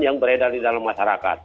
yang beredar di dalam masyarakat